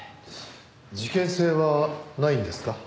事件性はないんですか？